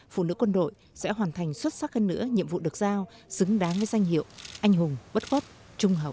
phụ nữ quân đội sẽ hoàn thành xuất sắc hơn nữa nhiệm vụ được giao xứng đáng với danh hiệu anh hùng bất khốt trung hậu đảm đang